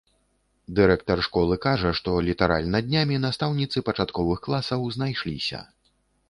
Дырэктар школы кажа, што літаральна днямі настаўніцы пачатковых класаў знайшліся.